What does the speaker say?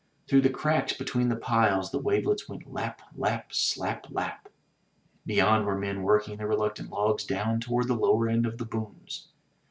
Through the cracks between the piles the wavelets went lap, lap, slap, lap! Beyond were men working the reluctant logs down toward the lower end of the booms.